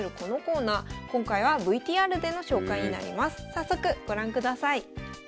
早速ご覧ください。